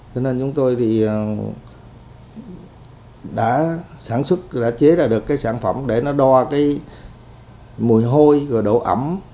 cho nên chúng tôi thì đã sản xuất đã chế ra được cái sản phẩm để nó đo cái mùi hôi và độ ẩm